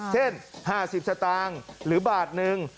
เช่น๕๐สตางค์หรือบาทหนึ่ง